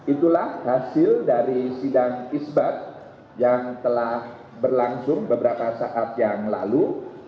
itulah hasil dari sidang isbat yang telah berlangsung beberapa saat yang lalu